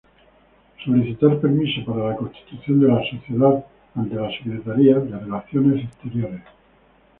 Solicitar permiso para la constitución de la sociedad, ante la Secretaría de Relaciones Exteriores.